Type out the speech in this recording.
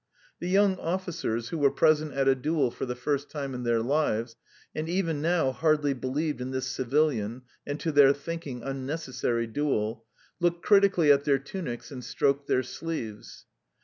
The young officers, who were present at a duel for the first time in their lives, and even now hardly believed in this civilian and, to their thinking, unnecessary duel, looked critically at their tunics and stroked their sleeves.